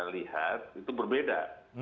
lihat itu berbeda